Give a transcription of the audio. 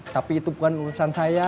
tapi itu bukan urusan saya